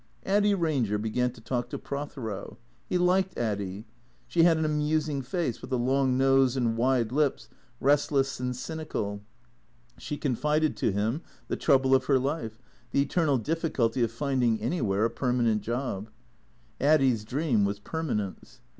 Addy Ranger began to talk to Prothero. He liked Addy. She had an amusing face with a long nose and wide lips, rest less and cynical. She confided to him the trouble of her life, tlie eternal difficulty of finding anywhere a permanent job. Addy's dream was permanence.